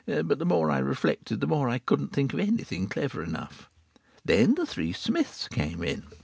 But the more I reflected the more I couldn't think of anything clever enough. Then the three Smiths came in.